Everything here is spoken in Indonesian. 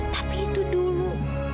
tapi itu dulu